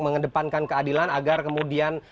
mengedepankan keadilan agar kemudian